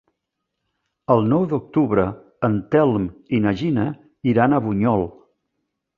El nou d'octubre en Telm i na Gina iran a Bunyol.